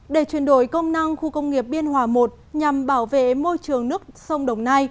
để chuyển đổi công năng khu công nghiệp biên hòa i nhằm bảo vệ môi trường nước sông đồng nai